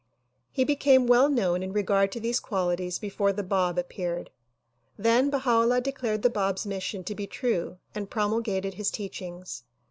He became well known in regard to these qualities before His Holiness the Bab appeared. Then Baha 'Ullah declared the Bab's mission to be true and promulgated his teachings.